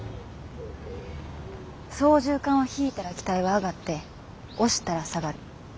操縦かんを引いたら機体は上がって押したら下がる。